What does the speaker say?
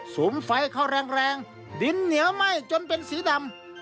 สุมไฟเข้าแรงดินเหนียวไหม้จนเป็นสีดำ